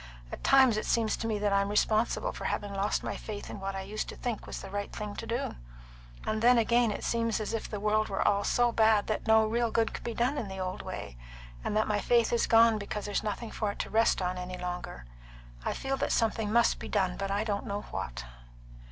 At times it seems to me that I'm responsible for having lost my faith in what I used to think was the right thing to do; and then again it seems as if the world were all so bad that no real good could be done in the old way, and that my faith is gone because there's nothing for it to rest on any longer. I feel that something must be done; but I don't know what."